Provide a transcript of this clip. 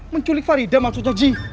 menculik farida maksudnya ji